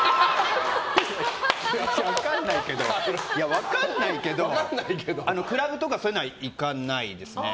分かんないけどクラブとかそういうのは行かないですね。